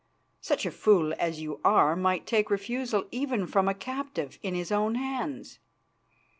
Such a fool as you are might take refusal even from a captive in his own hands.